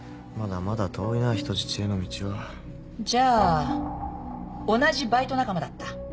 「じゃあ同じバイト仲間だった？」